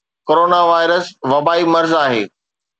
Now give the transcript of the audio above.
corona virus وبائي مرض آھي